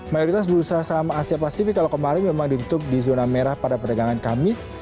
mayoritas bursa saham asia pasifik kalau kemarin memang ditutup di zona merah pada perdagangan kamis